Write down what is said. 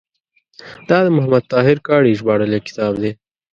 دا د محمد طاهر کاڼي ژباړلی کتاب دی.